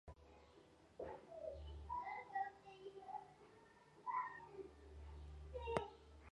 Ha sido presidente de la Sociedad de Matemática de Chile en varios periodos.